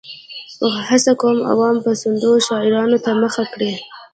هڅه کوي عوام پسندو شعارونو ته مخه کړي.